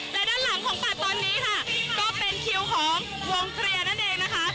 และด้านหลังของปัดตอนนี้ค่ะก็เป็นคิวของวงเคลียร์นั่นเองนะคะ